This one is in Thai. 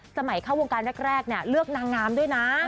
สมัยเข้าวงการแรกเลือกนางน้ำด้วยนะ